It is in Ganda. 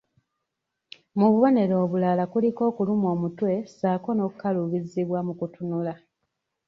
Mu bubonero obulala kuliko okulumwa omutwe, ssaako okukaluubirizibwa mu kutunula